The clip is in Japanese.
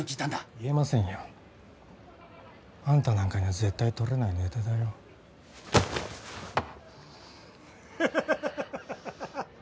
言えませんよ。あんたなんかには絶対とれないネタだよ。ハハハハハハハッ！